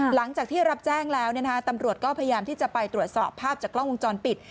หลังจากที่รับแจ้งแล้วตำรวจก็พยายามที่จะไปตรวจสอบภาพจากกล้องวงจรปิด